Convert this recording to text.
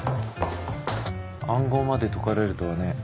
暗号まで解かれるとはね。